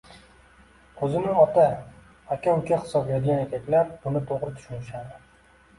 O'zini ota, aka -uka hisoblaydigan erkaklar buni to'g'ri tushunishadi.